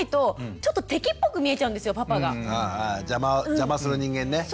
邪魔する人間ね。